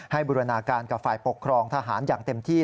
บูรณาการกับฝ่ายปกครองทหารอย่างเต็มที่